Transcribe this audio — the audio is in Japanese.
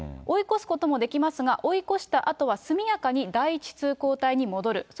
追い越すこともできますが、追い越したあとは速やかに第１通行帯に戻る。